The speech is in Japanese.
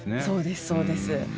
そうですそうです。